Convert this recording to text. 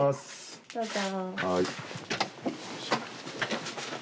どうぞ。